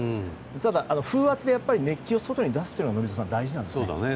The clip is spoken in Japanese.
ただ風圧で熱気を外に出すということは宜嗣さん、大事なんですね。